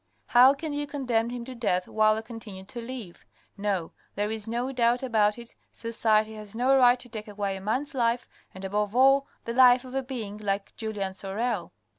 How can you condemn him to death while I continue to live? No, there is no doubt about it, society has no right to take away a man's life, and above all, the life of a being like Julien Sorel.